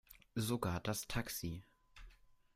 Sogar das Taxi.